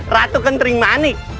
ratu kentering manik